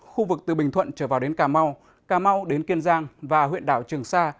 khu vực từ bình thuận trở vào đến cà mau cà mau đến kiên giang và huyện đảo trường sa